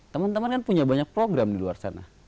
teman teman kan punya banyak program di luar sana